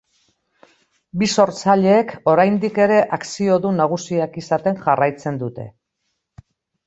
Bi sortzaileek oraindik ere akziodun nagusiak izaten jarraitzen dute.